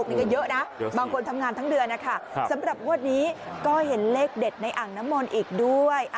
มีก็เยอะนะบางคนทำงานทั้งเดือนสำหรับวันนี้ก็เห็นเลขเด็ดในอังนมลอีกด้วย